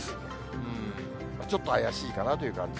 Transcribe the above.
うーん、ちょっと怪しいかなという感じ。